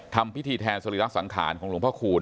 ทำพิธีแทนศิริรักษณ์สังขารของหลวงพ่อคูล